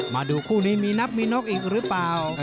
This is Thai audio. มาดูคู่นี้มีนับมีนกอีกหรือเปล่า